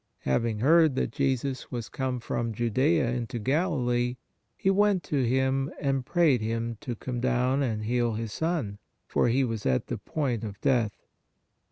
Having heard that Jesus was come from Judea into Galilee, he went to Him and prayed Him to come down and heal his son, for he was at the point of death.